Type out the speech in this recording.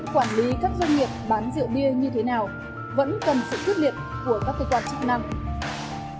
quản lý các doanh nghiệp bán rượu bia như thế nào vẫn cần sự quyết liệt của các cơ quan chức năng